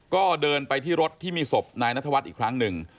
ก็เดินไปที่รถที่มีศพนายนัทวัฒน์อีกครั้งหนึ่ง